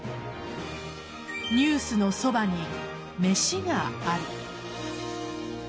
「ニュースのそばに、めしがある。」